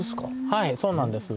はいそうなんです。